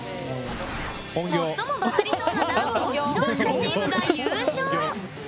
最もバズりそうなダンスを披露したチームが優勝！